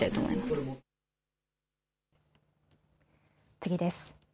次です。